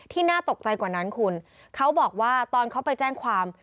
น่าตกใจกว่านั้นคุณเขาบอกว่าตอนเขาไปแจ้งความ